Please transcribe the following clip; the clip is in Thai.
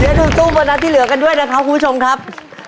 ให้ดูตู้โบนัสที่เหลือกันด้วยนะครับคุณผู้ชมครับ